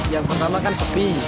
yang pertama kan sepi